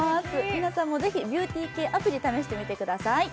皆さんもぜひビューティー系アプリ、試してみてください。